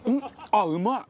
あっうまい！